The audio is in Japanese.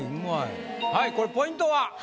はいこれポイントは？